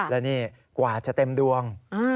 แล้วนี่กว่าจะเต็มดวง